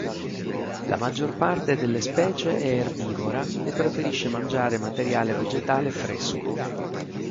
La maggior parte delle specie è erbivora e preferisce mangiare materiale vegetale fresco.